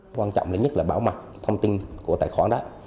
quan trọng nhất là bảo mặt thông tin của tài khoản đó